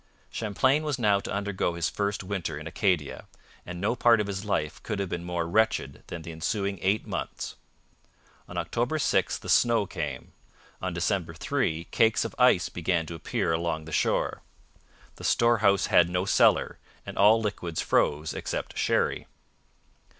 Champlain was now to undergo his first winter in Acadia, and no part of his life could have been more wretched than the ensuing eight months. On October 6 the snow came. On December 3 cakes of ice began to appear along the shore. The storehouse had no cellar, and all liquids froze except sherry.